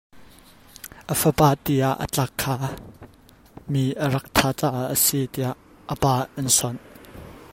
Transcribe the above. A fapa ti ah a tlak kha mi a rak thah caah a si tiah a pa an sawnh.